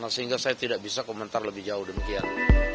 sehingga saya tidak bisa komentar lebih jauh demikian